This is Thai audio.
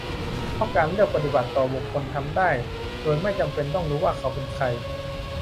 เพราะการเลือกปฏิบัติต่อบุคคลทำได้โดยไม่จำเป็นต้องรู้ว่าเขาเป็น "ใคร"